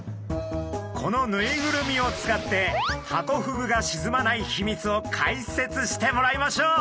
このぬいぐるみを使ってハコフグが沈まないヒミツを解説してもらいましょう！